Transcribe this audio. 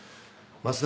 増田。